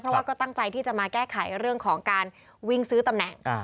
เพราะว่าก็ตั้งใจที่จะมาแก้ไขเรื่องของการวิ่งซื้อตำแหน่ง